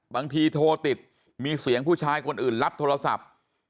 บางทีโทรติดมีเสียงผู้ชายคนอื่นรับโทรศัพท์